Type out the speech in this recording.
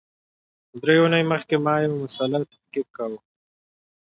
درې اونۍ مخکي ما یو مسأله تحقیق کول